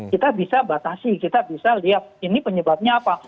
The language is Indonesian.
kita bisa batasi kita bisa lihat ini penyebabnya apa